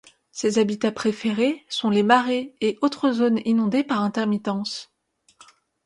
Ses habitats préférés sont les marais et autres zones inondées par intermittence.